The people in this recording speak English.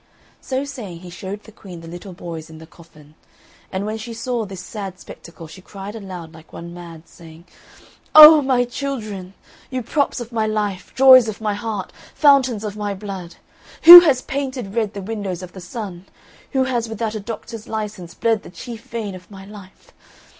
So saying, he showed the Queen the little boys in the coffin; and when she saw this sad spectacle, she cried aloud like one mad, saying, "O my children! you props of my life, joys of my heart, fountains of my blood! Who has painted red the windows of the sun? Who has without a doctor's licence bled the chief vein of my life?